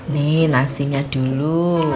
nih nasinya dulu